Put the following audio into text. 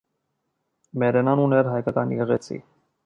Մերենանն ուներ հայկական եկեղեցի։